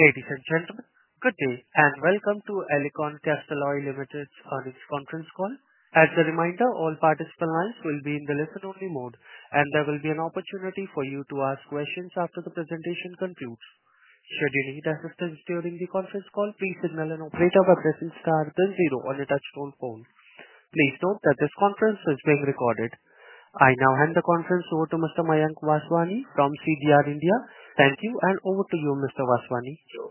Ladies and gentlemen, good evening and welcome to Alicon Castalloy Limited's Earnings Conference Call. As a reminder, all participants will be in the listen-only mode, and there will be an opportunity for you to ask questions after the presentation concludes. Should you need assistance during the conference call, please email an operator by pressing star then zero on your touch-tone phone. Please note that this conference is being recorded. I now hand the conference over to Mr. Mayank Vaswani from CDR India. Thank you, and over to you, Mr. Vaswani. Thank you,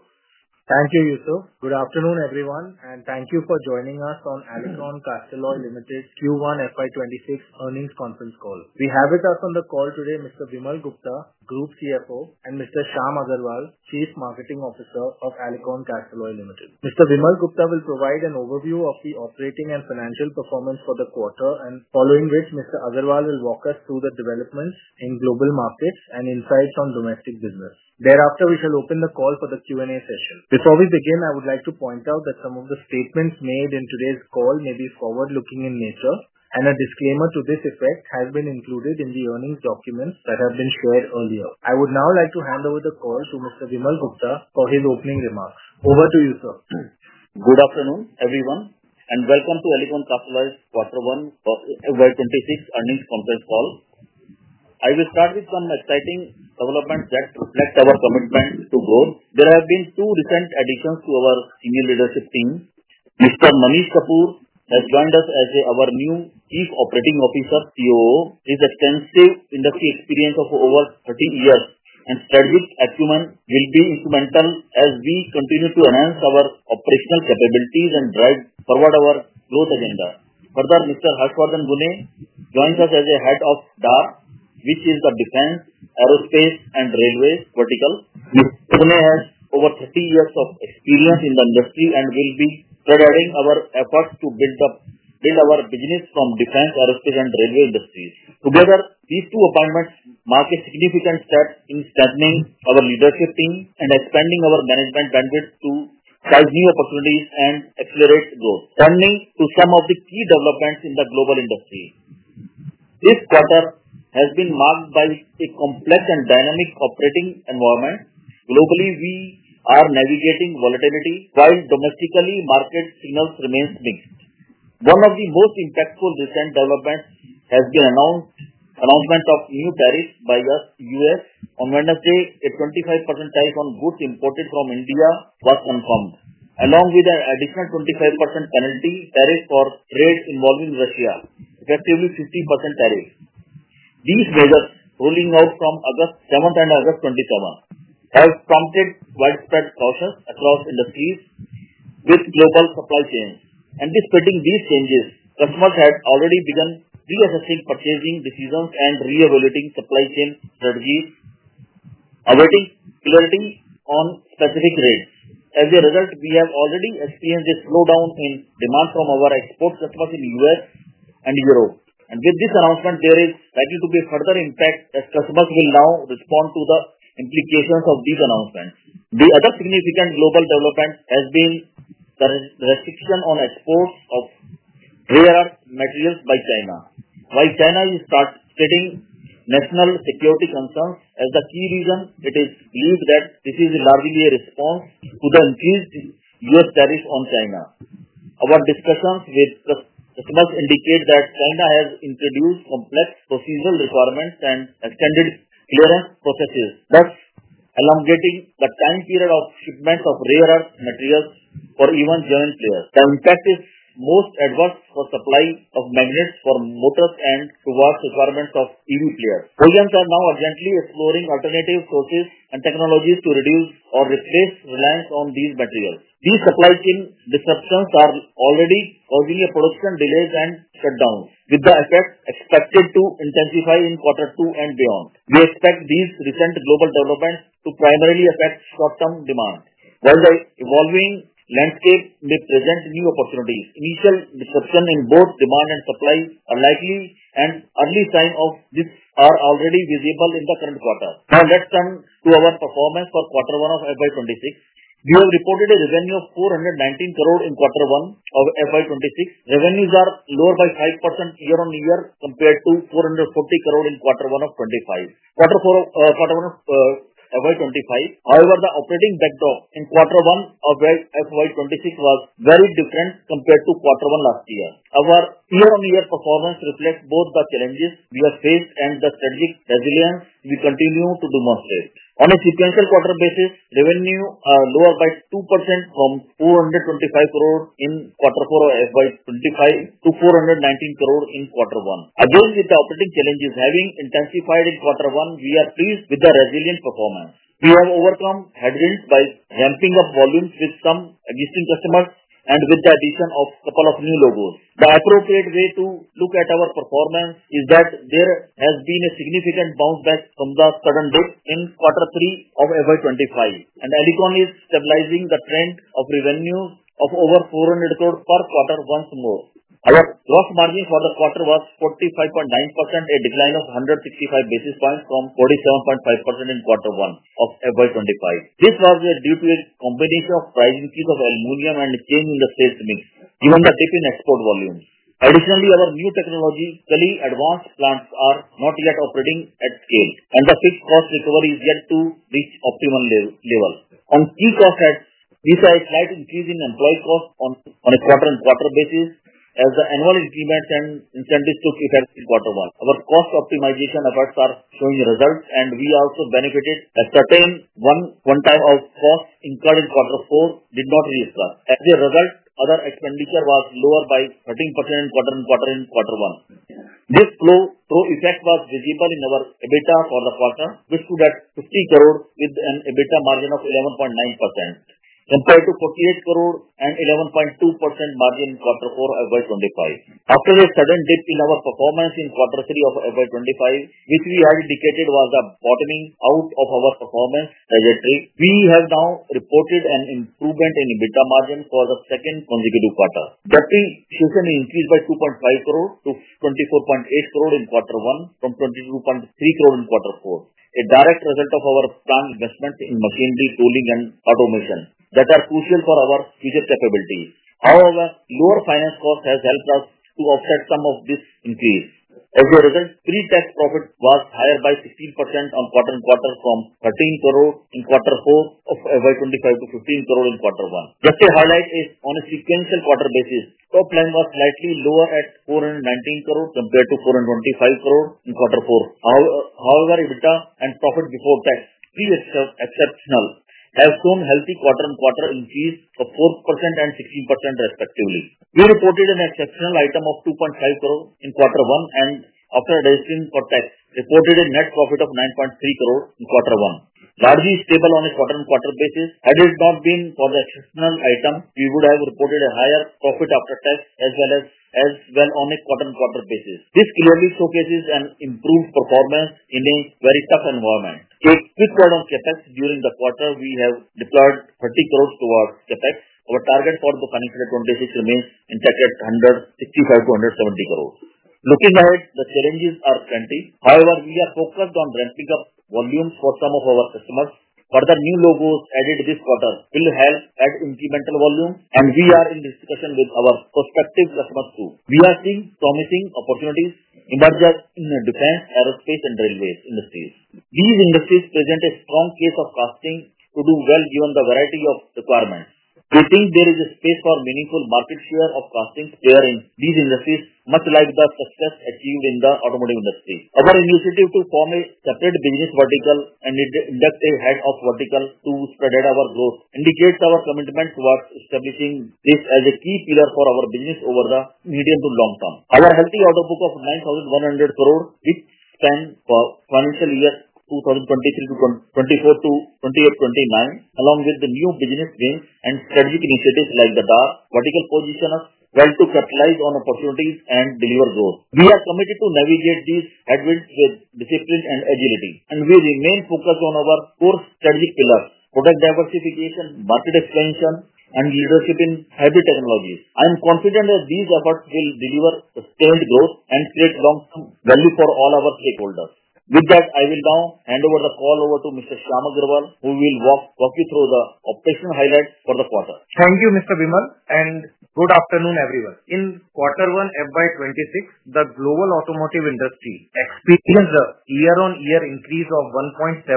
Yusuf. Good afternoon, everyone, and thank you for joining us on Alicon Castalloy Limited's Q1 FY 2026 Earnings Conference Call. We have with us on the call today Mr. Vimal Gupta, Group CFO, and Mr. Shyam Agarwal, Chief Marketing Officer of Alicon Castalloy Limited. Mr. Vimal Gupta will provide an overview of the operating and financial performance for the quarter, and following this, Mr. Agarwal will walk us through the developments in global markets and insights on domestic business. Thereafter, we shall open the call for the Q&A session. Before we begin, I would like to point out that some of the statements made in today's call may be forward-looking in nature, and a disclaimer to this effect has been included in the earnings documents that have been shared earlier. I would now like to hand over the call to Mr. Vimal Gupta for his opening remarks. Over to you, sir. Good afternoon, everyone, and welcome to Alicon Castalloy Limited's Q1 FY 2026 Earnings Conference Call. I will start with some exciting developments that have led to our commitment to grow. There have been two recent additions to our senior leadership team. Mr. Manish Kapoor has joined us as our new Chief Operating Officer (COO). His extensive industry experience of over 30 years and previous acumen will be instrumental as we continue to enhance our operational capabilities and drive forward our growth agenda. Further, Mr. Harshvardhan Gune joins us as Head of DAR, which is the Defense, Aerospace, and Railways vertical. Mr. Gune has over 30 years of experience in the industry and will be sharing our efforts to build up our business from defense, aerospace, and railway industries. Together, these two appointments mark a significant step in strengthening our leadership team and expanding our management bandwidth to drive new opportunities and accelerate growth. Turning to some of the key developments in the global industry, this chapter has been marked by a complex and dynamic operating environment. Locally, we are navigating volatility, while domestically, market signals remain mixed. One of the most impactful recent developments has been the announcement of new tariffs by the U.S. on Wednesday, a 25% tariff on goods imported from India got uncommed, along with an additional 25% penalty tariff for trade involving Russia, effectively a 50% tariff. These measures, rolling out from August 7th and August 27th, have prompted widespread caution across industries with local supply chains. Anticipating these changes, customers had already begun reassessing purchasing decisions and reevaluating supply chain strategies, awaiting clarity on specific rates. As a result, we have already experienced a slowdown in demand from our export customers in the U.S. and Europe. With this announcement, there is likely to be a further impact as customers will now respond to the implications of these announcements. The other significant global development has been the restriction on exports of rare earth materials by China. While China is still stating national security concerns as the key reason, it is believed that this is largely a response to the increased U.S. tariffs on China. Our discussions with customers indicate that China has introduced complex procedural requirements and extended clearance processes, thus elongating the time period of shipment of rare earth materials for even genuine players. The impact is most adverse for supply of magnets for motors and towards requirements of EV players. OEMs are now urgently exploring alternative sources and technologies to reduce or replace reliance on these materials. These supply chain disruptions are already causing production delays and shutdowns, with the effects expected to intensify in Q2 and beyond. We expect these recent global developments to primarily affect short-term demand. Thus, the evolving landscape may present new opportunities. Initial disruptions in both demand and supply are likely, and early signs of this are already visible in the current quarter. Now, let's turn to our performance for Q1 of FY 2026. We have reported a revenue of 419 crore in Q1 of FY 2026. Revenues are lower by 5% year-on-year compared to INR 440 crore in Q1 of FY 2025. However, the operating backdrop in Q1 of FY 2026 was very different compared to Q1 last year. Our year-on-year performance reflects both the challenges we have faced and the strategic resilience we continue to demonstrate. On a sequential quarter basis, revenues are lower by 2% from 425 crore in Q4 of FY 2025 to 419 crore in Q1. Adjoining the operating challenges having intensified in Q1, we are pleased with the resilient performance. We have overcome headwinds by ramping up volumes with some existing customers and with the addition of a couple of new logos. The appropriate way to look at our performance is that there has been a significant bounce back from the sudden dip in Q3 of FY 2025, and Alicon is stabilizing the trend of revenues of over 400 crore per quarter once more. Our gross margin for the quarter was 45.9%, a decline of 165 basis points from 47.5% in Q1 of FY 2025. This was due to a combination of price increase of aluminum and exchange industry signals, given the dip in export volumes. Additionally, our new technologically advanced plants, is not yet operating at scale, and the fixed cost recovery is yet to reach optimal levels. On key costs aspects, we saw a slight increase in employee costs on a quarter-by-quarter basis as the annual estimates and incentives took effect in Q1. Our cost optimization efforts are showing results, and we also benefited at certain points of cost, including Q4, which did not reassess. As a result, other expenditure was lower by 13% in quarter-on-quarter in Q1. This growth effect was visible in our EBITDA for the quarter, which stood at 50 crore with an EBITDA margin of 11.9% compared to 48 crore and 11.2% margin in Q4 of FY 2025. After the sudden dip in our performance in Q3 of FY 2025, which we had indicated was the bottoming out of our performance trajectory, we have now reported an improvement in EBITDA margin for the second consecutive quarter. That increased by INR 2.5 crore-INR 24.8 crore in Q1 from INR 22.3 crore in Q4, a direct result of our strong investments in machinery, tooling, and automation that are crucial for our future capabilities. However, lower finance costs have helped us to offset some of this increase. As a result, pre-tax profit was higher by 16% on Q1 from 13 crore in Q4 of FY 2025 to 15 crore in Q1. Just to highlight, on a sequential quarter basis, top line was slightly lower at 419 crore compared to 425 crore in Q4. However, EBITDA and profit before tax were exceptional, having shown a healthy quarter-on-quarter increase of 4% and 16% respectively. We reported an exceptional item of 2.5 crore in Q1, and after reducing for tax, we reported a net profit of 9.3 crore in Q1. Largely stable on a quarter-on-quarter basis, had it not been for the exceptional item, we would have reported a higher profit after tax as well as as well on a Q1 basis. This clearly showcases an improved performance in a very tough environment. A quick word on CAPEX, during the quarter, we have deployed 30 crore towards CAPEX. Our target for the financial year 2026 remains intact at 165-170 crore. Looking ahead, the challenges are plenty. However, we are focused on driving up volumes for some of our customers. Further new logos added this quarter will help add incremental volume, and we are in discussion with our prospective customers too. We are seeing promising opportunities emerging in the defense, aerospace, and railway industries. These industries present a strong case for castings to do well, given the variety of requirements. We think there is a space for meaningful market share of castings there in these industries, much like the success achieved in the automotive industry. Our initiative to form a separate business vertical and induct a head of vertical to spread our growth indicates our commitment towards establishing this as a key pillar for our business over the medium to long term. Our healthy order book of 9,100 crore, which spans the financial year 2023-2024 to 2028-2029, along with the new business wings and strategic initiatives like the DAR vertical position, help to capitalize on opportunities and deliver growth. We are committed to navigating these headwinds with discipline and agility, and we remain focused on our core strategic pillars: product diversification, market expansion, and leadership in hybrid technologies. I am confident that these efforts will deliver sustained growth and create long-term value for all our stakeholders. With that, I will now hand over the call to Mr. Shyam Agarwal, who will walk you through the operational highlights for the quarter. Thank you, Mr. Vimal, and good afternoon, everyone. In Q1 FY 2026, the global automotive industry experienced a year-on-year increase of 1.7%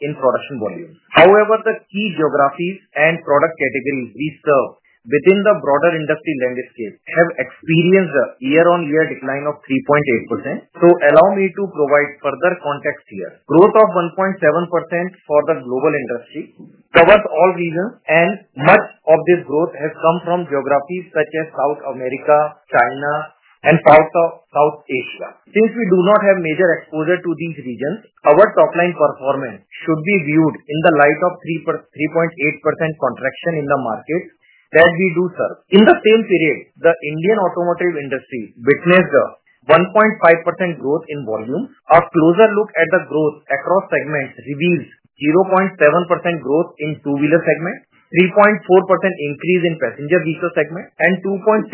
in production volume. However, the key geographies and product categories we serve within the broader industry landscape have experienced a year-on-year decline of 3.8%. To allow me to provide further context here, growth of 1.7% for the global industry covers all regions, and much of this growth has come from geographies such as South America, China, and South Asia. Since we do not have major exposure to these regions, our top-line performance should be viewed in the light of 3.8% contraction in the markets that we do serve. In the same period, the Indian automotive industry witnessed a 1.5% growth in volume. A closer look at the growth across segments reveals 0.7% growth in the two-wheeler segment, 3.4% increase in the passenger vehicle segment, and 2.6%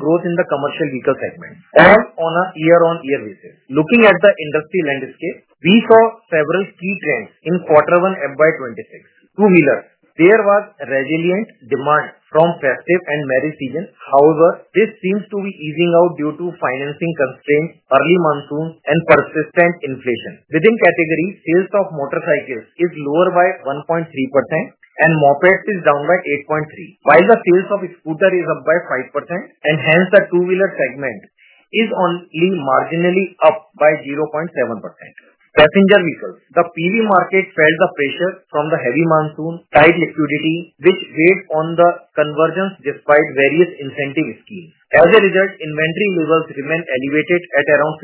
growth in the commercial vehicle segment. Now, on a year-on-year basis, looking at the industry landscape, we saw several key trends in Q1 FY 2026. Two-wheelers, there was resilient demand from festive and merry seasons. However, this seems to be easing out due to financing constraints, early monsoons, and persistent inflation. Within categories, sales of motorcycles are lower by 1.3%, and mopeds are down by 8.3%. While the sales of scooters are up by 5%, and hence the two-wheeler segment is only marginally up by 0.7%. Passenger vehicles, the PV market felt the pressure from the heavy monsoon tide liquidity, which weighed on the convergence despite various incentive schemes. As a result, inventory models remain elevated at around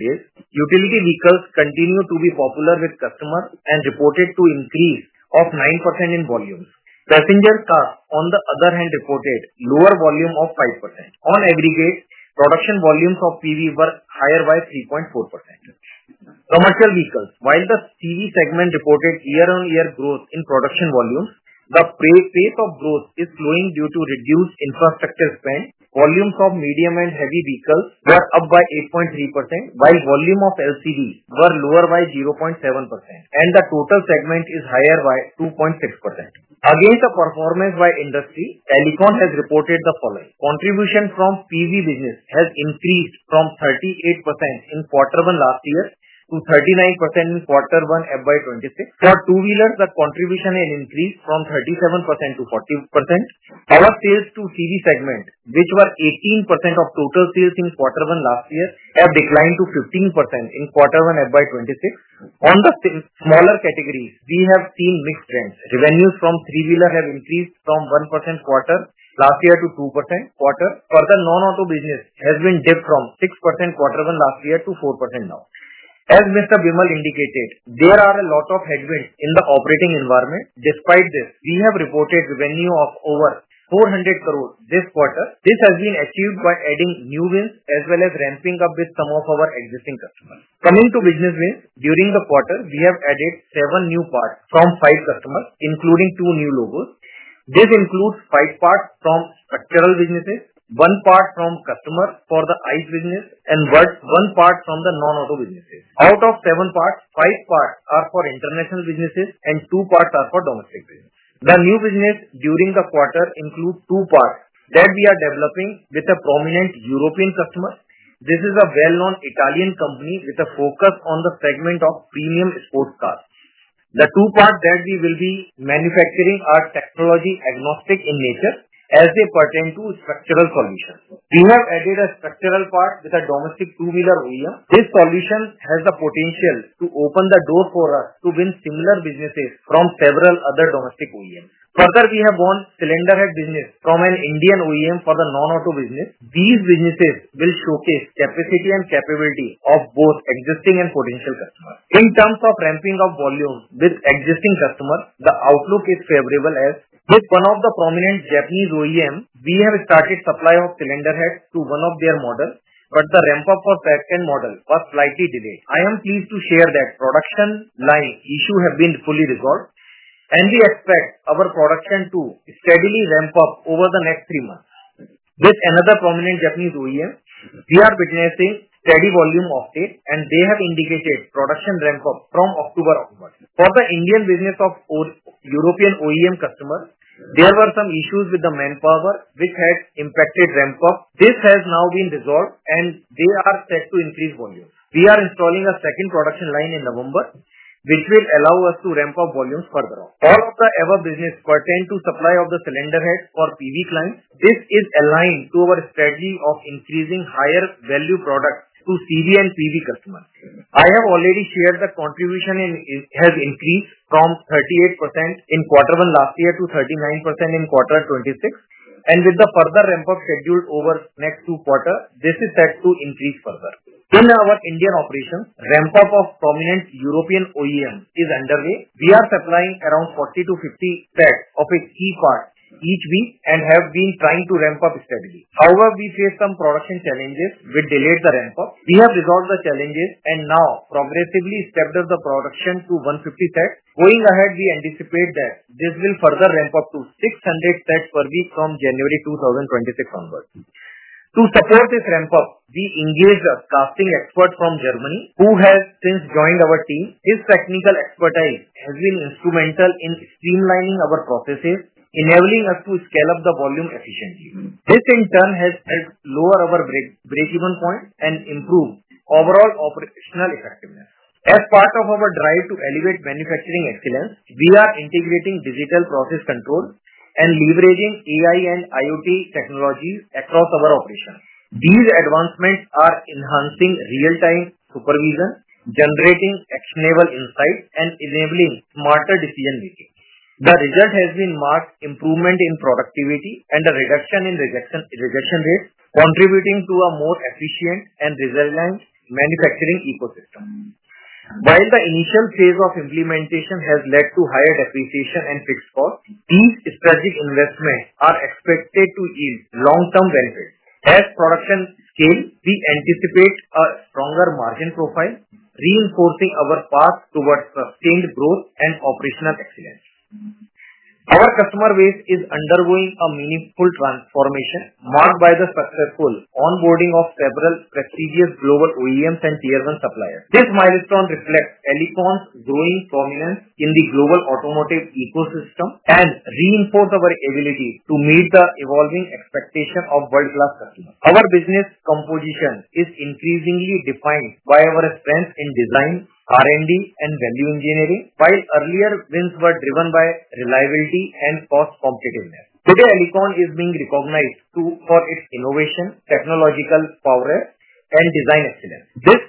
55 days. Utility vehicles continue to be popular with customers and reported an increase of 9% in volumes. Passenger cars, on the other hand, reported a lower volume of 5%. On aggregates, production volumes of PV were higher by 3.4%. Commercial vehicles, while the CV segment reported year-on-year growth in production volumes, the pace of growth is slowing due to reduced infrastructure spend. Volumes of medium and heavy vehicles were up by 8.3%, while volumes of LCVs were lower by 0.7%, and the total segment is higher by 2.6%. Against the performance by industry, Alicon has reported the following: Contribution from PV business has increased from 38% in Q1 last year to 39% in Q1 FY 2026. For two-wheelers, the contribution increased from 37%-40%. Car sales to CV segment, which were 18% of total sales in Q1 last year, have declined to 15% in Q1 FY 2026. On the smaller categories, we have seen mixed trends. Revenues from three-wheelers have increased from 1% Q1 last year to 2% Q1. For the non-auto business, there has been a dip from 6% Q1 last year to 4% now. As Mr. Vimal indicated, there are a lot of headwinds in the operating environment. Despite this, we have reported revenue of over 400 crore this quarter. This has been achieved by adding new wins as well as ramping up with some of our existing customers. Coming to business wins, during the quarter, we have added seven new parts from five customers, including two new logos. This includes five parts from structural businesses, one part from customers for the ICE business, and one part from the non-auto businesses. Out of seven parts, five parts are for international businesses, and two parts are for domestic businesses. The new businesses during the quarter include two parts that we are developing with a prominent European customer. This is a well-known Italian company with a focus on the segment of premium sports cars. The two parts that we will be manufacturing are technology-agnostic in nature as they pertain to structural solutions. We have added a structural part with a domestic two-wheeler OEM. This solution has the potential to open the door for us to win similar businesses from several other domestic OEMs. Further, we have won cylinder head business from an Indian OEM for the non-auto business. These businesses will showcase the capacity and capability of both existing and potential customers. In terms of ramping up volume with existing customers, the outlook is favorable as with one of the prominent Japanese OEMs. We have started supply of cylinder heads to one of their models, but the ramp-up for the second model was slightly delayed. I am pleased to share that the production line issues have been fully resolved, and we expect our production to steadily ramp up over the next three months. With another prominent Japanese OEM, we are witnessing steady volume uptake, and they have indicated production ramp-up from October of last year. For the Indian business of our European OEM customers, there were some issues with the manpower, which has impacted ramp-up. This has now been resolved, and they are set to increase volume. We are installing a second production line in November, which will allow us to ramp up volumes further on. All of the other businesses pertain to supply of the cylinder heads for PV clients. This is aligned to our strategy of increasing higher-value products to CV and PV customers. I have already shared that contribution has increased from 38% in Q1 last year to 39% in Q2 of 2026, and with the further ramp-up scheduled over the next two quarters, this is set to increase further. In our Indian operations, the ramp-up of prominent European OEMs is underway. We are supplying around 40-50 sets of a key part each week and have been trying to ramp up steadily. However, we face some production challenges which delayed the ramp-up. We have resolved the challenges and now progressively step the production to 150 sets. Going ahead, we anticipate that this will further ramp up to 600 sets per week from January 2026 onwards. To support this ramp-up, we engaged a casting expert from Germany, who has since joined our team. His technical expertise has been instrumental in streamlining our processes, enabling us to scale up the volume efficiently, which in turn has helped lower our break-even point and improve overall operational effectiveness. As part of our drive to elevate manufacturing excellence, we are integrating digital process control and leveraging AI and IoT technologies across our operations. These advancements are enhancing real-time supervision, generating actionable insights, and enabling smarter decision-making. The result has been marked improvement in productivity and reduction in rejection rates, contributing to a more efficient and resilient manufacturing ecosystem. While the initial phase of implementation has led to higher depreciation and fixed costs, these strategic investments are expected to yield long-term benefits. As production scales, we anticipate a stronger margin profile, reinforcing our path towards sustained growth and operational excellence. Our customer base is undergoing a meaningful transformation, marked by the successful onboarding of several prestigious global OEMs and tier-one suppliers. This milestone reflects Alicon's growing prominence in the global automotive ecosystem and reinforces our ability to meet the evolving expectations of world-class customers. Our business composition is increasingly defined by our strengths in design, R&D, and value engineering, while earlier wins were driven by reliability and cost competitiveness. Today, Alicon is being recognized for its innovation, technological prowess, and design excellence. This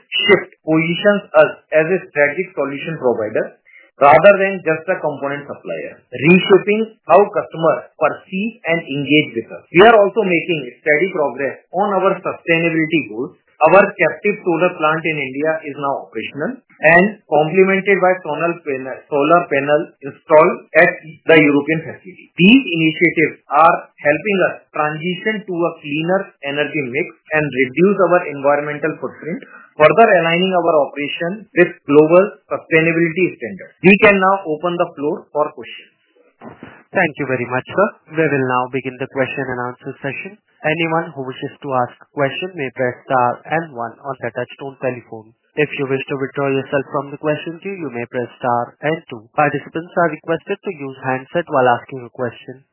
positions us as a strategic solution provider rather than just a component supplier, reshaping how customers perceive and engage with us. We are also making steady progress on our sustainability goals. Our captive solar plant in India is now operational and complemented by solar panels installed at the European facility. These initiatives are helping us transition to a cleaner energy mix and reduce our environmental footprint, further aligning our operation with global sustainability standards. We can now open the floor for questions. Thank you very much, sir. We will now begin the question and answer session. Anyone who wishes to ask a question may press star and one on the touch-tone telephone. If you wish to withdraw yourself from the question queue, you may press star and two. Participants are requested to use handsets while asking a question.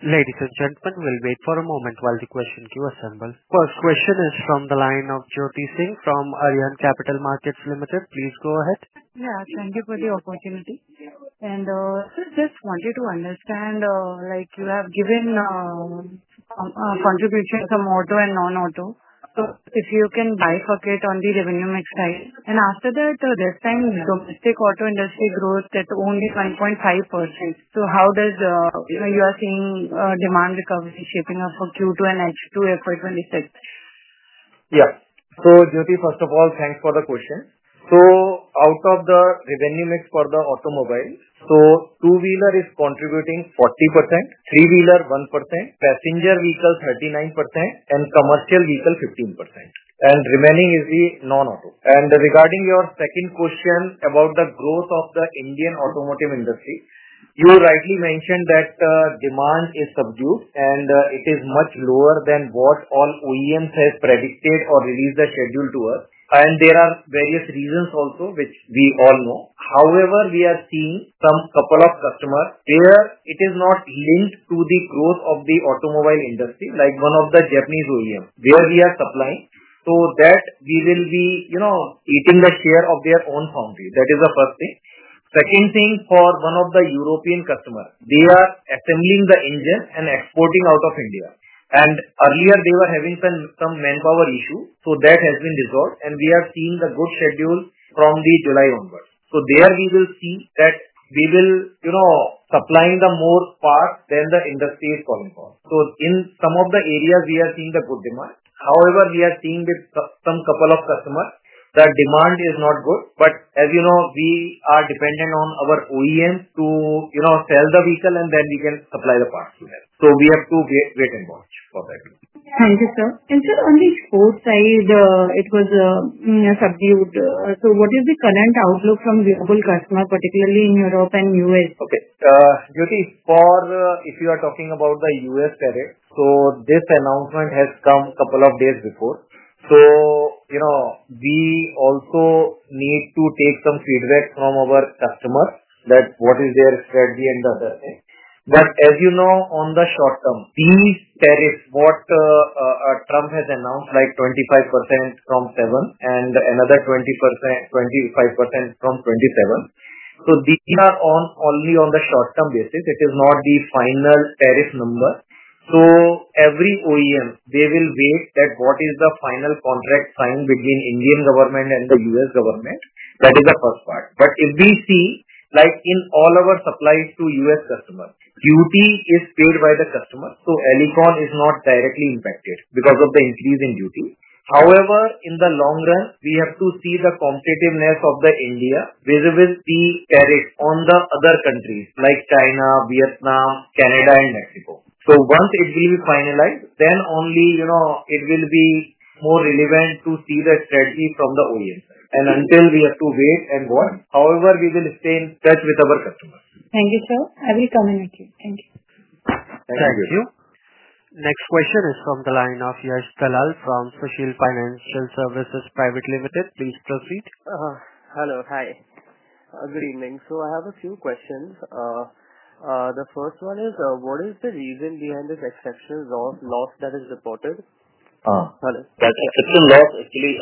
Ladies and gentlemen, we'll wait for a moment while the question queue assembles. First question is from the line of Jyoti Singh from Arihant Capital Markets Ltd. Please go ahead. Thank you for the opportunity. I just wanted to understand, like you have given a contribution from auto and non-auto. If you can bifurcate on the revenue mix side, and after that, this time domestic auto industry growth at only 5.5%. How does, you know, you are seeing demand recovery shaping up for Q2 and H2 FY 2026? Yeah. Jyoti, first of all, thanks for the question. Out of the revenue mix for the automobiles, two-wheeler is contributing 40%, three-wheeler 1%, passenger vehicle 39%, and commercial vehicle 15%. The remaining is the non-auto. Regarding your second question about the growth of the Indian automotive industry, you rightly mentioned that demand is subdued and it is much lower than what all OEMs have predicted or released their schedule to us. There are various reasons also, which we all know. However, we are seeing some couple of customers where it is not linked to the growth of the automobile industry, like one of the Japanese OEMs where we are supplying. We will be, you know, eating the share of their own foundry. That is the first thing. For one of the European customers, they are assembling the engines and exporting out of India. Earlier, they were having some manpower issues. That has been resolved. We are seeing the good schedule from July onwards. There we will see that we will, you know, supply more parts than the industry is calling for. In some of the areas, we are seeing the good demand. However, we are seeing with some couple of customers that demand is not good. As you know, we are dependent on our OEMs to, you know, sell the vehicle and then we can supply the parts to them. We have to wait and watch for that. Thank you, sir. On the export side, it was subdued. What is the current outlook from the whole customer, particularly in Europe and the U.S.? Okay. Jyoti, if you are talking about the U.S. tariff, this announcement has come a couple of days before. We also need to take some feedback from our customers about what is their strategy and other things. As you know, in the short term, these tariffs, what Trump has announced, like 25% from August 7th and another 25% from August 27th. These are only on a short-term basis. It is not the final tariff number. Every OEM will wait for what is the final contract signed between the Indian government and the U.S. government. That is the first part. If they see, in all our supplies to U.S. customers, duty is paid by the customer. Alicon is not directly impacted because of the increase in duty. However, in the long run, we have to see the competitiveness of India vis-à-vis the tariffs on other countries like China, Vietnam, Canada, and Mexico. Once it will be finalized, then only it will be more relevant to see the strategy from the OEMs. Until then, we have to wait and watch. However, we will stay in touch with our customers. Thank you, sir. Thank you. Thank you. Next question is from the line of Yash Dalal from Sushil Financial Services Pvt. Ltd. Please proceed. Hello. Hi. Greetings. I have a few questions. The first one is, what is the reason behind this exceptional loss that is reported? That exceptional loss, actually,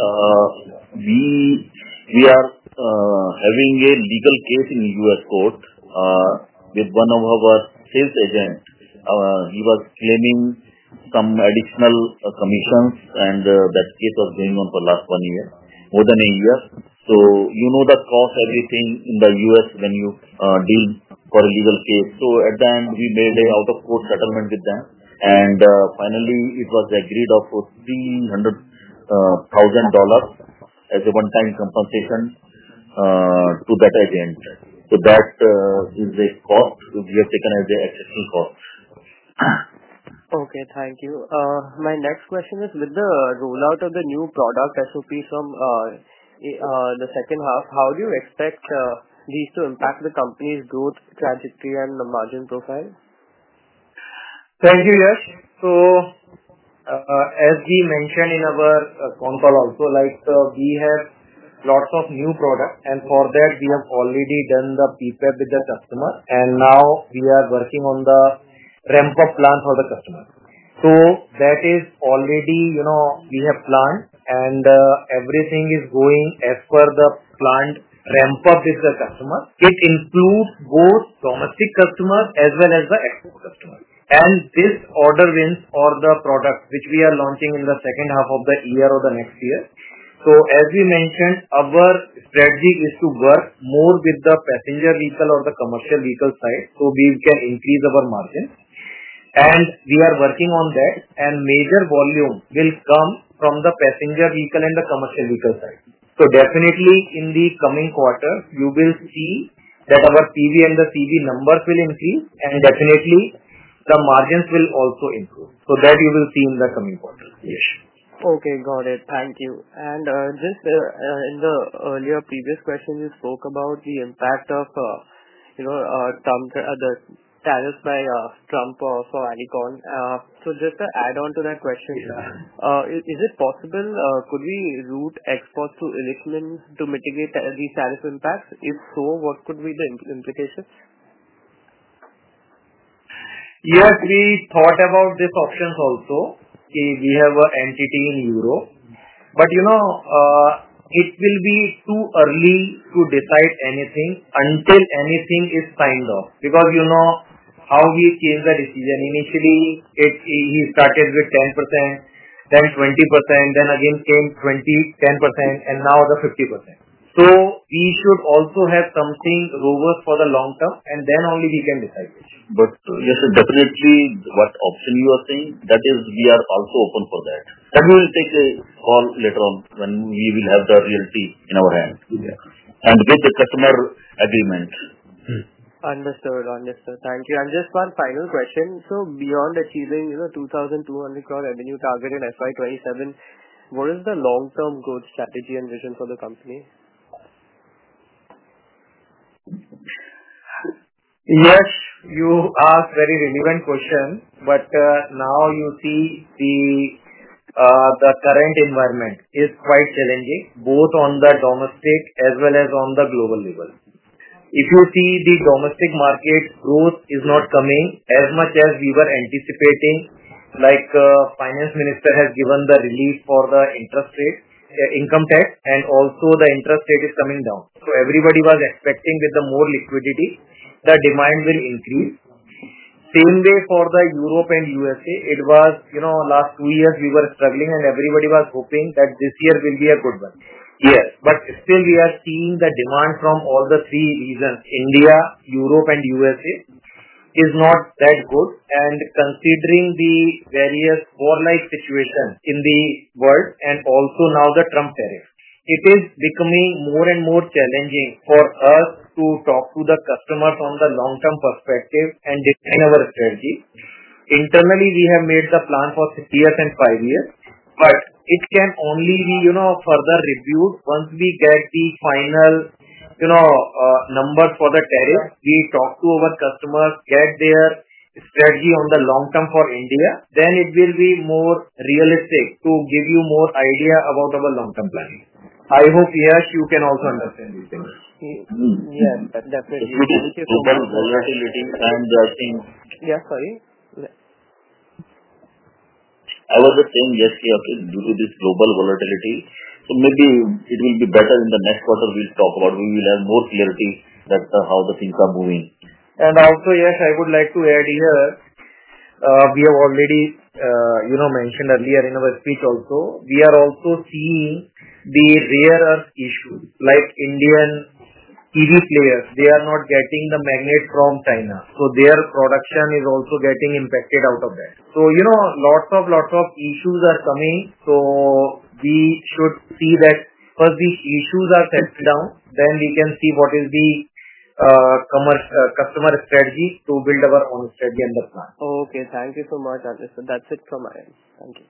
we are having a legal case in the U.S. court with one of our sales agents. He was claiming some additional commissions, and that case was going on for the last one year, more than a year. You know the cost, everything in the U.S. when you deal for a legal case. At the end, we made an out-of-court settlement with them. Finally, it was agreed for $300,000 as a one-time compensation to that agent. That is the score we have taken as the exceptional score. Okay. Thank you. My next question is, with the rollout of the new product SOPs from the second half, how do you expect these to impact the company's growth trajectory and the margin profile? Thank you, Yash. As we mentioned in our conference also, we have lots of new products. For that, we have already done the prepare with the customer, and now we are working on the ramp-up plan for the customer. That is already planned, and everything is going as per the planned ramp-up with the customer. It includes both domestic customers as well as the export customers. These order wins or the products, which we are launching in the second half of the year or the next year. As we mentioned, our strategy is to work more with the passenger vehicle or the commercial vehicle side so we can increase our margins. We are working on that, and major volume will come from the passenger vehicle and the commercial vehicle side. Definitely, in the coming quarter, you will see that our PV and the CV numbers will increase, and definitely, the margins will also improve. You will see that in the coming quarter. Okay. Got it. Thank you. In the earlier previous question, you spoke about the impact of the tariffs by Trump for Alicon. Just to add on to that question, is it possible, could we route exports to Illichmann to mitigate these tariff impacts? If so, what could be the implications? Yes, we thought about this option also. We have an entity in Europe, but it will be too early to decide anything until anything is signed off. You know how we've seen the decision initially, it started with 10%, then 20%, then again came 20%, 10%, and now the 50%. We should also have something robust for the long term, and then only we can decide this. Yes, definitely, what option you are saying, that is we are also open for that. We will take a call later on when we will have the reality in our hands and look at the customer agreements. Understood. Thank you. Just one final question. Beyond achieving the 2,200 crore revenue target in FY 2027, what is the long-term growth strategy and vision for the company? Yes, you asked a very relevant question, but now you see the current environment is quite challenging, both on the domestic as well as on the global level. If you see the domestic market growth is not coming as much as we were anticipating, like the Finance Minister has given the relief for the interest rate, income tax, and also the interest rate is coming down. Everybody was expecting with the more liquidity, the demand will increase. The same way for Europe and USA. The last two years we were struggling, and everybody was hoping that this year will be a good one. Yes, we are still seeing the demand from all the three regions: India, Europe, and the United States is not that good. Considering the various war-like situations in the world and also now the Trump tariffs, it is becoming more and more challenging for us to talk to the customers on the long-term perspective and define our strategy. Internally, we have made the plan for six years and five years, but it can only be further reviewed once we get the final numbers for the tariffs. We talk to our customers, get their strategy on the long term for India. It will be more realistic to give you more idea about our long-term planning. I hope, Yash, you can also understand these things. Yeah, definitely. Thank you so much. Volatility and the things-- Yes, sorry. Yes, okay, due to this global volatility, it will be better in the next quarter. We'll talk about it. We will have more clarity on how things are moving. Yes, I would like to add here, we have already mentioned earlier in our speech also, we are also seeing the rare earth issues, like Indian EV players. They are not getting the magnets from China. Their production is also getting impacted out of that. Lots of issues are coming. We should see that first these issues are settled down, then we can see what is the customer strategy to build our own strategy and the plan. Okay. Thank you so much, Understood. That's it from my end. Thank you.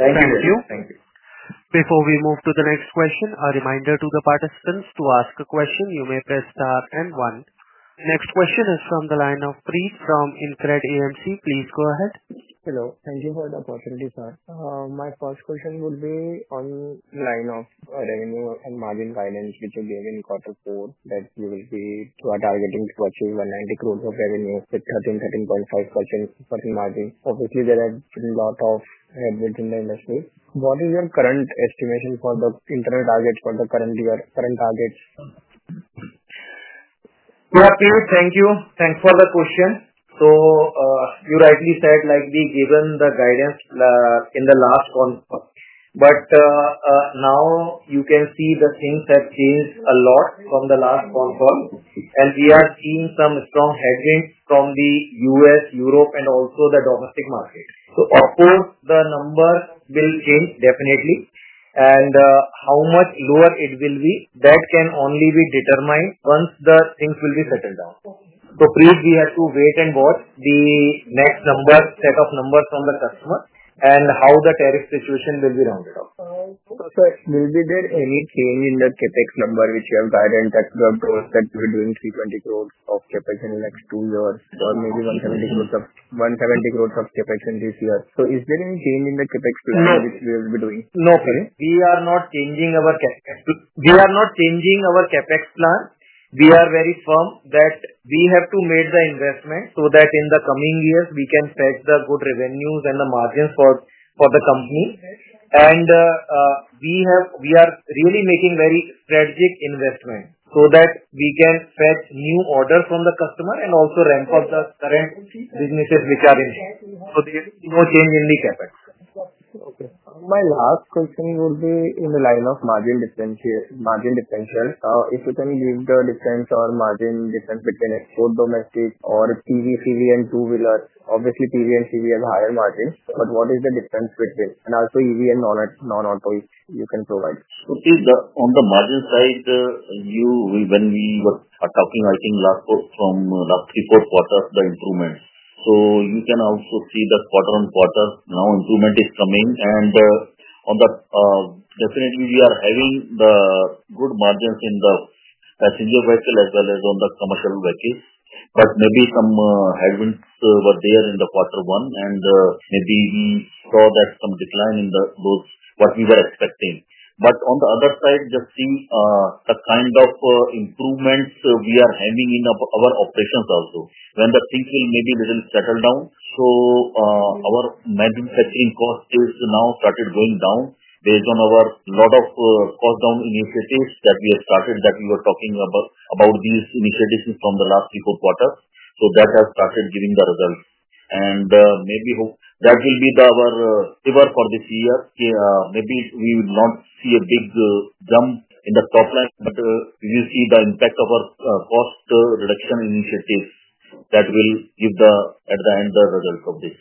Thank you. Thank you. Before we move to the next question, a reminder to the participants to ask a question. You may press star and one. Next question is from the line of Preet from InCred AMC. Please go ahead. Hello. Thank you for the opportunity, sir. My first question will be on the line of revenue and margin guidance, which is there in quarter four that we will be targeting approaching 190 crore for revenue, which has been setting points out for things for market. Obviously, there are a lot of headwinds in the industry. What is your current estimation for the internal targets for the current year? Current targets? Yes Preet, thank you. Thanks for the question. You rightly said, like we've given the guidance in the last one. Now you can see that things have changed a lot from the last phone call. We are seeing some strong headwinds from the U.S., Europe, and also the domestic market. After the numbers will change, definitely. How much lower it will be, that can only be determined once the things will be settled down. Preet, we have to wait and watch the next set of numbers from the customer and how the tariff situation will be rounded off. Also, will there be any change in the CAPEX number, which is higher than tax growth, that we're doing 320 crore of CAPEX in the next two years, or maybe 170 crore of CAPEX in this year? Is there any change in the CAPEX figure which we will be doing? No, sir. We are not changing our CAPEX. We are not changing our CAPEX plan. We are very firm that we have to make the investment so that in the coming years, we can fetch the good revenues and the margins for the company. We are really making very strategic investments so that we can fetch new orders from the customer and also ramp up the current businesses we are in. There is no change in the CAPEX. Okay. My last question will be in the line of margin difference. If you can give the difference or margin difference between export, domestic, or EV, CV, and two-wheeler, obviously, EV and CV have higher margins. What is the difference between now to EV and non-auto you can provide? Okay. On the margin side, when we were talking, I think from last report quarter, the improvement, you can also see that quarter on quarter, now improvement is coming. We are definitely having good margins in the passenger vehicle as well as on the commercial vehicle. Maybe some headwinds were there in quarter one, and maybe we saw some decline in the goods, what we were expecting. On the other side, just seeing a kind of improvements we are having in our operations also. When the thinking maybe will settle down, our manufacturing costs have now started going down based on a lot of cost-down initiatives that we have started, that we were talking about these initiatives from the last report quarter. That has started giving the results, and maybe hope that will be our favor for this year. Maybe we will not see a big jump in the top line, but you see the impact of our cost reduction initiatives that will give, at the end, the results of this.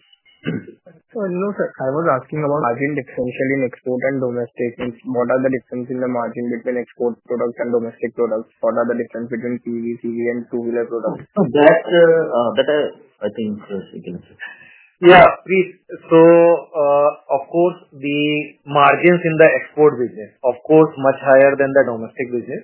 No, sir. I was asking about margin difference between export and domestic. What are the differences in the margin between export products and domestic products? What are the differences between EV, CV, and two-wheeler products? I think, yeah, please. Of course, the margins in the export business are much higher than the domestic business,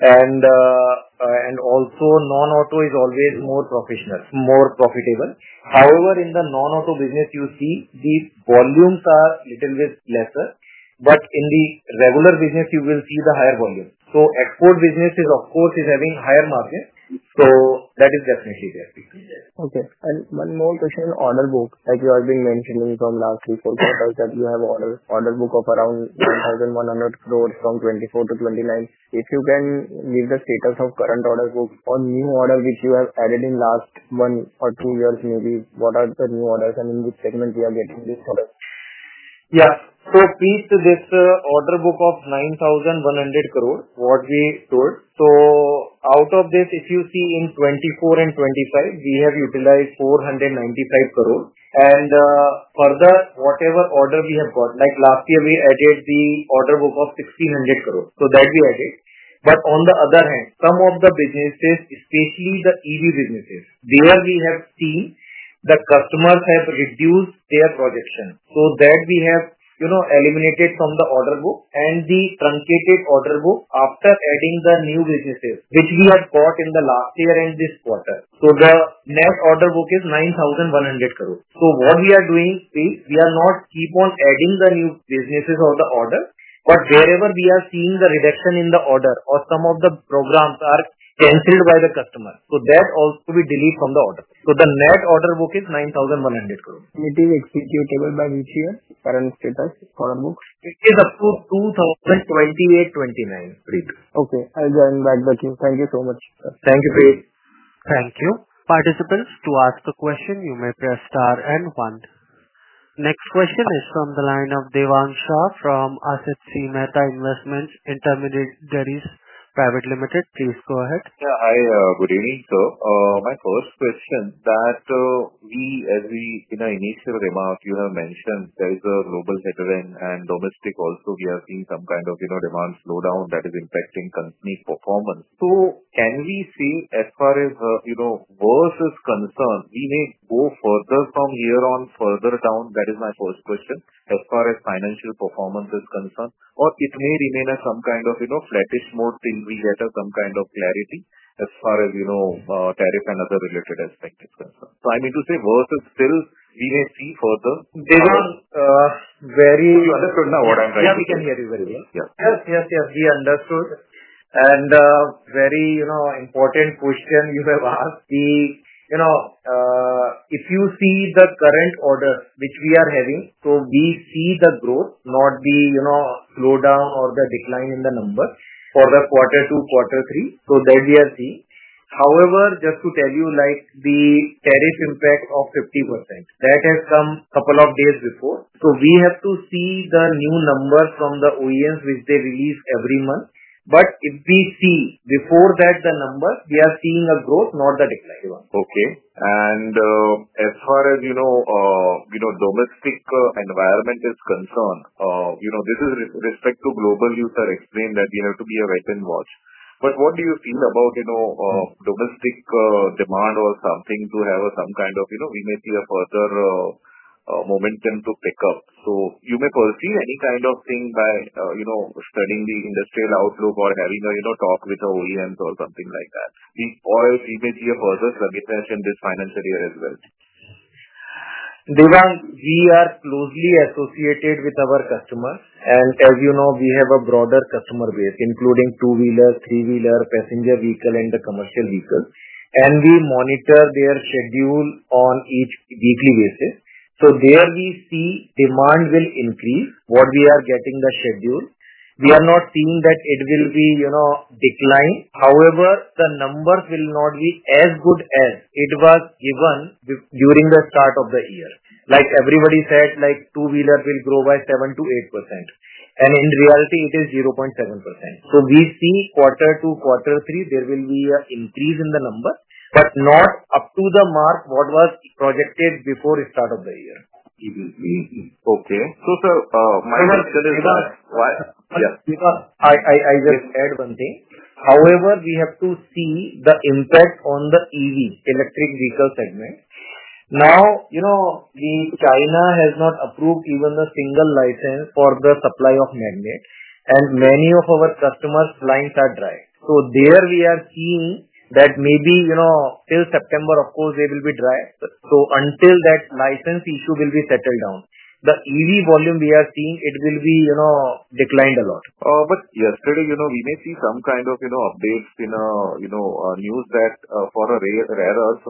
and also, non-auto is always more professional, more profitable. However, in the non-auto business, you see these volumes are a little bit lesser, but in the regular business, you will see the higher volume. Export business is, of course, having higher margins. That is definitely there. Okay. One more question regarding the order book that you have been mentioning from the last report quarter, that you have an order book of around 1,100 crore from 2024-2029. If you can give the status of the current order book or new orders which you have added in the last 1-2 years, maybe what are the new orders and in which segment we are getting these orders? Yeah. We have this order book of 9,100 crore, what we stored. Out of this, if you see in 2024 and 2025, we have utilized 495 crore. Further, whatever order we have got, like last year, we added the order book of 1,600 crore. That we added. On the other hand, some of the businesses, especially the EV businesses, we have seen the customers have reduced their projections. We have eliminated that from the order book and the truncated order book after adding the new businesses, which we had brought in the last year and this quarter. The net order book is 9,100 crore. What we are doing is we are not keep on adding the new businesses on the order, but wherever we are seeing the reduction in the order or some of the programs are canceled by the customer, we also delete that from the order. The net order book is 9,100 crore. Is it executable by which year? Current status order book? It is up to 2028-2029, Preet. Okay, I'll join back the queue. Thank you so much. Thank you, Preet. Thank you. Participants, to ask a question, you may press star and one. Next question is from the line of Devang Shah from Asit C. Mehta Investments, Intermediate Pvt Ltd. Please go ahead. Hi. Good evening. My first question is that we, in our initial remark, you have mentioned there is a global headwind and domestically also, we are seeing some kind of demand slowdown that is impacting company's performance. Can we see, as far as worst is concerned, we may go further from here on further down? That is my first question. As far as financial performance is concerned, or it may remain as some kind of flattish mode until we get some kind of clarity as far as tariff and other related aspects are concerned. I mean to say worst is still we may see further. You understood now what I'm trying to say? Yeah, we can hear you very well. Yes, yes, yes. We understood. Very important question you have asked. If you see the current orders which we are having, we see the growth, not the slowdown or the decline in the numbers for the quarter two, quarter three, that we are seeing. However, just to tell you, the tariff impact of 50% has come a couple of days before. We have to see the new numbers from the OEMs which they release every month. If we see before that the numbers, we are seeing a growth, not the decline one. Okay. As far as the domestic environment is concerned, this is with respect to global users explaining that it is a wait and watch. What do you think about domestic demand or something to have some kind of momentum to pick up? You may perceive any kind of thing by studying the industrial outlook or having a talk with the OEMs or something like that. Else, we may see a further stronger tariff in this financial year as well. We are closely associated with our customers. As you know, we have a broader customer base, including two-wheelers, three-wheelers, passenger vehicle, and the commercial vehicle. We monitor their schedule on a weekly basis. There we see demand will increase. What we are getting in the schedule, we are not seeing that it will be declined. However, the numbers will not be as good as it was given during the start of the year. Like everybody said, like two-wheeler will grow by 7-8%. In reality, it is 0.7%. We see quarter two, quarter three, there will be an increase in the number, but not up to the mark what was projected before the start of the year. EVs. Okay. Devang, I just add one thing. However, we have to see the impact on the EV, electric vehicle segment. Now, you know, China has not approved even a single license for the supply of magnets, and many of our customers' lines are dry. There we are seeing that maybe, you know, till September, of course, they will be dry. Until that license issue will be settled down, the EV volume we are seeing, it will be, you know, declined a lot. Yesterday, we may see some kind of updates in a news that for a rare earth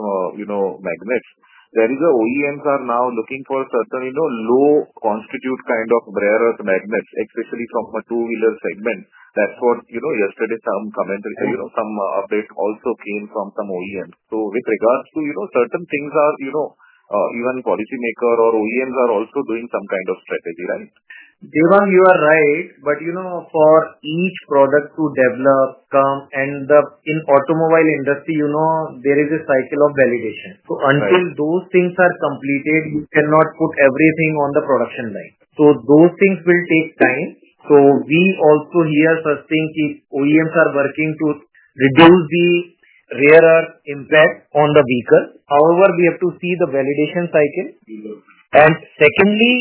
magnets, there is an OEM car now looking for certain low constitute kind of rare earth magnets, especially from a two-wheeler segment. That's what yesterday some commented, some updates also came from some OEMs. With regards to certain things, even policymakers or OEMs are also doing some kind of strategy, right? Devang, you are right. For each product to develop and come in the automobile industry, there is a cycle of validation. Until those things are completed, you cannot put everything on the production line. Those things will take time. We also here are seeing if OEMs are working to reduce the rare earth impact on the vehicle. However, we have to see the validation cycle. Secondly,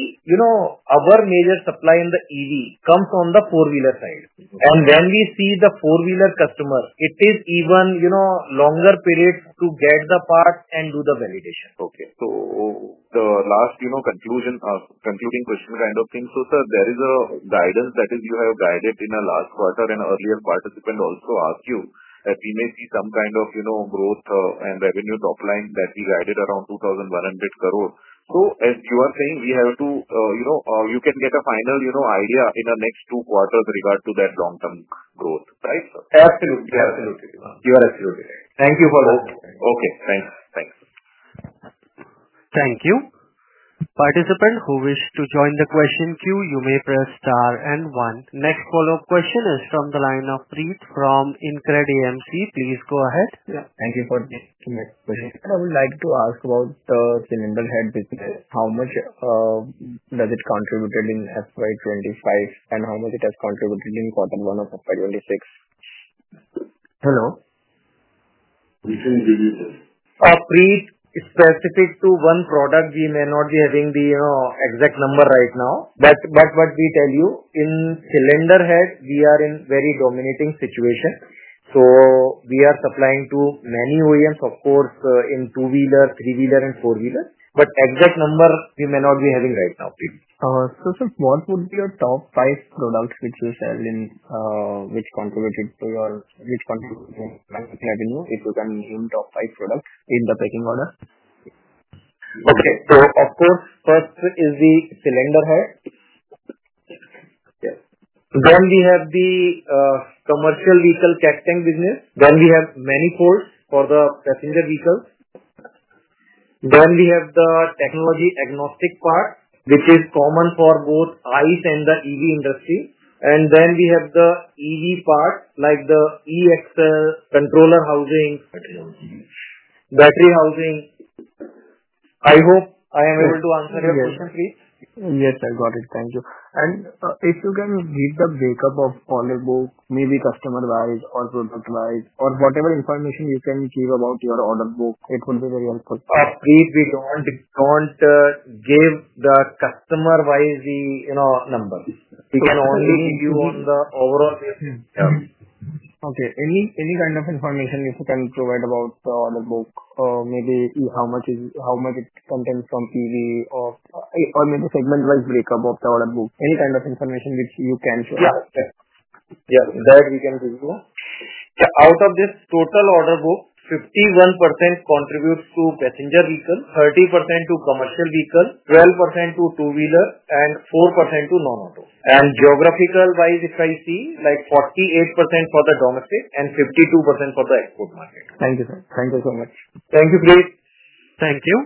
our major supply in the EV comes from the four-wheeler side. When we see the four-wheeler customer, it is even longer periods to get the parts and do the validation. Okay. The last conclusion of concluding question kind of thing. Sir, there is a guidance that you have guided in the last quarter. Earlier, participants also asked you that we may see some kind of growth and revenue top line that we guided around 2,100 crore. As you are saying, we have to get a final idea in the next two quarters with regard to that long-term growth, right? Absolutely. Absolutely. Thank you for the opportunity. Okay, thanks. Thanks. Thank you. Participants who wish to join the question queue, you may press star and one. Next follow-up question is from the line of Preet from InCred AMC. Please go ahead. Thank you for this next question. I would like to ask about cylinder head business. How much does it contribute in FY 2025 and how much it has contributed in Q1 of FY 2026? Hello? Preet, specific to one product, we may not be having the exact number right now. That's what we tell you. In cylinder heads, we are in a very dominating situation. We are supplying to many OEMs, of course, in two-wheeler, three-wheeler, and four-wheeler. Exact number, we may not be having right now. Just one more question. Top five products which you sell in, which contributed to our, which market revenue, if you can name top five products in the pecking order? Okay. First is the cylinder head. Then we have the commercial vehicle casting business. Then we have manifolds for the passenger vehicles. Then we have the technology-agnostic parts, which is common for both ICE and the EV industry. And then we have the EV parts like the eAxle, controller housing, battery housing. I hope I am able to answer your question, Preet Yes, I got it. Thank you. If you can give the breakup of order book, maybe customer-wise or product-wise, or whatever information you can give about your order book, it would be very helpful. Preet, we don't give the customer-wise the numbers. We can only give you on the overall basis. Okay. Any kind of information if you can provide about the order book, maybe how much is how much its content from EV or maybe segment-wise breakup of the order book, any kind of information which you can share. Yeah, that we can do. Out of this total order book, 51% contributes to passenger vehicle, 30% to commercial vehicle, 12% to two-wheeler, and 4% to non-auto. Geographical-wise, if I see, 48% for the domestic and 52% for the export market. Thank you, sir. Thank you so much. Thank you, Preet. Thank you.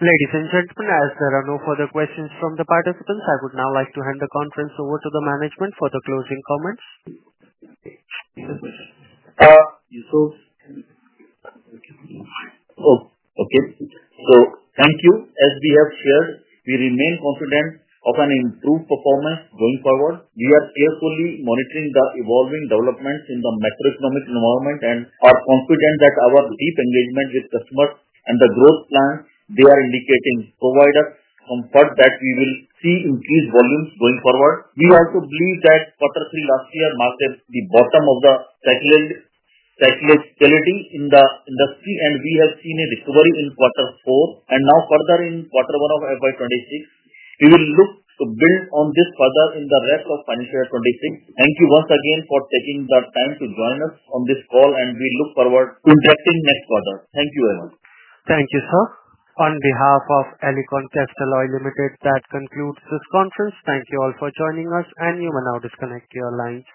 Ladies and gentlemen, as there are no further questions from the participants, I would now like to hand the conference over to the management for the closing comments. Thank you. As we have shared, we remain confident of an improved performance going forward. We are carefully monitoring the evolving developments in the macroeconomic environment and are confident that our deep engagement with customers and the growth plans they are indicating provide us comfort that we will see increased volumes going forward. We also believe that quarter three last year marked the bottom of the cyclicality in the industry, and we have seen a recovery in quarter four. Now, further in quarter one of FY 2026, we will look to build on this further in the rest of financial year 2026. Thank you once again for taking the time to join us on this call, and we look forward to investing next quarter. Thank you very much. Thank you, sir. On behalf of Alicon Castalloy Limited, that concludes this conference. Thank you all for joining us, and you may now disconnect your lines.